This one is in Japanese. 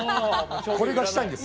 これがしたいんです。